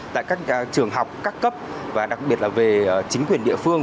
tại các trường học các cấp và đặc biệt là về chính quyền địa phương